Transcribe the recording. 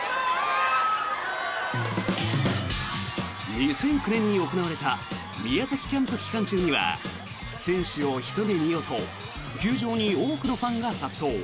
２００９年に行われた宮崎キャンプ期間中には選手をひと目見ようと球場に多くのファンが殺到。